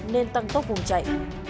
nên tăng tốc vùng chạy